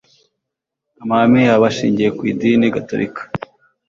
amahame yabo ashingiye ku idini gatorika